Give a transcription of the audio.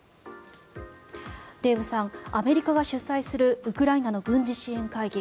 デーブさんアメリカが主催するウクライナの軍事支援会議。